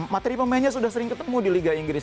materi pemainnya sudah sering ketemu di liga inggris